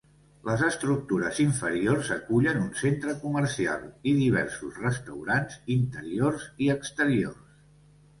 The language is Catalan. Les estructures inferiors acullen un centre comercial i diversos restaurants interiors i exteriors.